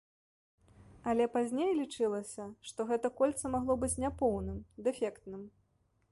Але пазней лічылася, што гэта кольца магло быць няпоўным, дэфектным.